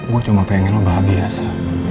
gue cuma pengen lo bahagia sih